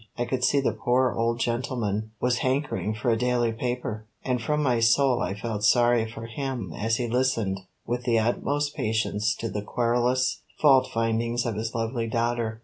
I could see the poor old gentleman was hankering for a daily paper, and from my soul I felt sorry for him as he listened with the utmost patience to the querulous fault findings of his lovely daughter.